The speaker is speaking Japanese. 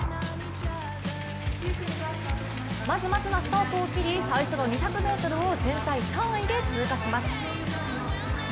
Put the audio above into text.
まずまずのスタートを切り最初の２００ｍを全体３位で通過します。